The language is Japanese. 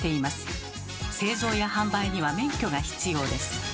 製造や販売には免許が必要です。